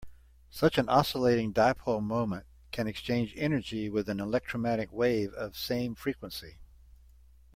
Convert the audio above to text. Such an oscillating dipole moment can exchange energy with an electromagnetic wave of same frequency.